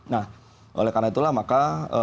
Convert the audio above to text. nah oleh karena itulah maka